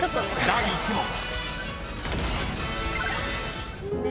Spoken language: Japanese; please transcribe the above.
［第１問］